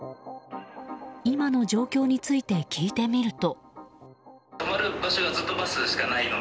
今の状況について聞いてみると。